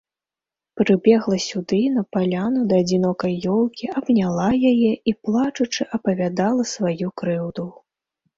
Прыбегла сюды, на паляну, да адзінокай ёлкі, абняла яе і, плачучы, апавядала сваю крыўду.